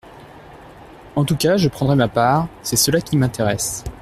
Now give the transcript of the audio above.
En tout cas, je prendrai ma part, c’est cela qui m’intéresse.